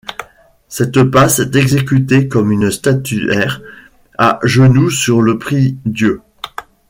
Cette passe est exécutée comme une statuaire, à genoux sur le prie-dieu.